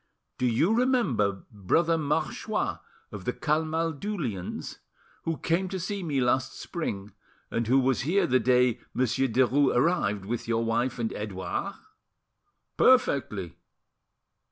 "Do you remember Brother Marchois of the Camaldulians, who came to see me last spring, and who was here the day Monsieur Derues arrived, with your wife and Edouard?" "Perfectly.